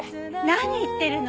何言ってるの！